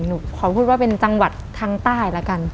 หนูขอพูดว่าเป็นจังหวัดทางใต้แล้วกัน